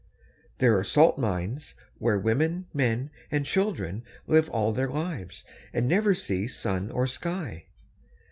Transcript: There are salt mines where men, women, and children live all their lives, and never see sun or sky.